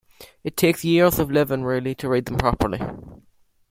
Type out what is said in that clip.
It takes years of living, really, to read them properly.